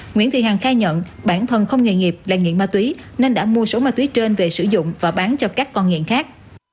nguyễn thị hằng khai nhận bản thân không nghề nghiệp là nghiện ma túy nên đã mua số ma túy trên về sử dụng và bán cho các con nghiện khác